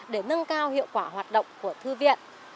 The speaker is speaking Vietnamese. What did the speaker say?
để nâng cao hiệu quả hoạt động của thư viện